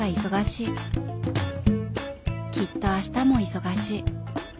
きっと明日も忙しい。